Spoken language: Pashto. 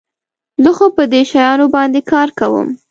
زه خو په دې شیانو باندي کار کوم.